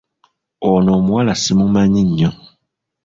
Ono omuwala simumanyi nnyo.